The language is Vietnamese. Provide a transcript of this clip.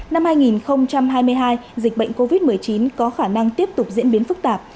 năm hai nghìn hai mươi hai dịch bệnh covid một mươi chín có khả năng tiếp tục diễn biến phức tạp